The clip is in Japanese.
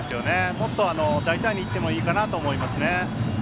もっと大胆にいってもいいかなと思いますね。